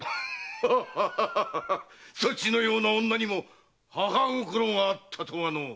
そちのような女にも母心があったとはのう。